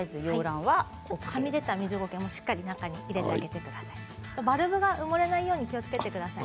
はみ出た水ゴケもしっかり中に入れてください。